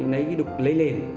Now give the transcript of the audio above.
lấy cái đục lấy lền